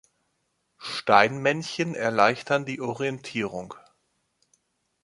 Steinmännchen erleichtern die Orientierung.